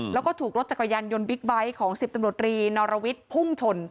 แล้วก็ถูกรถจักรยานยนต์บิ๊กไบท์ของ๑๐ตำรวจรีนอรวิทย์พุ่งชน